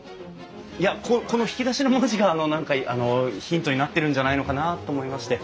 いやここの引き出しの文字があの何かあのヒントになってるんじゃないのかなと思いまして。